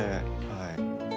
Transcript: はい。